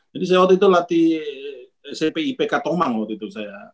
jadi saya waktu itu latih smp ipk tomang waktu itu saya